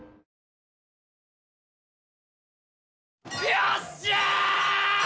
よっしゃ！